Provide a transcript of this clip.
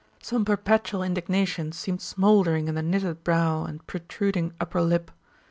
Some perpetual indignation seemed smouldering in the knitted brow and protruding upper lip.